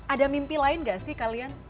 ada mimpi lain gak sih kalian